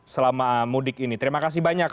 selama mudik ini terima kasih banyak